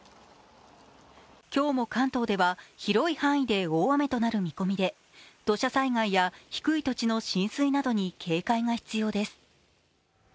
今日も関東では広い範囲で大雨となる見込みで土砂災害や低い土地の浸水などに警戒が必要です。